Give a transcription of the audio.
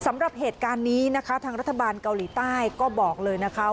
สำหรับเหตุการณ์นี้นะคะทางรัฐบาลเกาหลีใต้ก็บอกเลยนะคะ